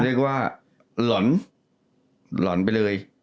เรียกว่าหล่อนหล่อนไปเลย